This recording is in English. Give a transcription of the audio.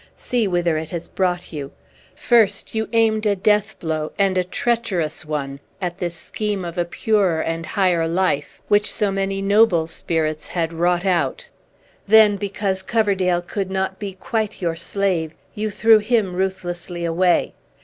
See whither it has brought you! First, you aimed a death blow, and a treacherous one, at this scheme of a purer and higher life, which so many noble spirits had wrought out. Then, because Coverdale could not be quite your slave, you threw him ruthlessly away.